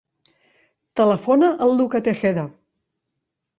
Telefona al Lucca Tejeda.